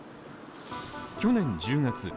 去年１０月。